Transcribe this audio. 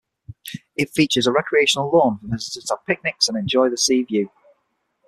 It features a recreational lawn for visitors to have picnics and enjoy the seaview.